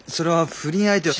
不倫相手！？